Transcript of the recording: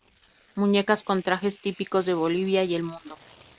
Muñecas con trajes típicos de Bolivia y el mundo.